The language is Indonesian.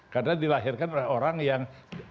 karena dilahirkan oleh orang yang